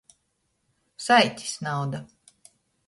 Saitys nauda.